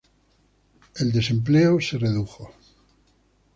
El desempleo se redujo.